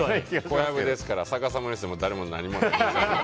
小籔ですから、逆さまにしても誰にもなりませまん。